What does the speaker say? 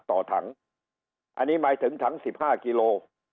ต่อถังอันนี้หมายถึงถัง๑๕กิโล